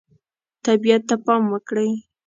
طبیعت ته پام وکړئ.